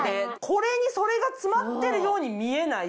これにそれが詰まってるように見えない